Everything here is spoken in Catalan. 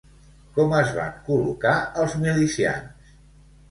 Com es van col·locar els milicians?